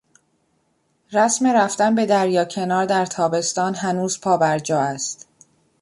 رسم رفتن به دریاکنار در تابستان هنوز پابرجا است.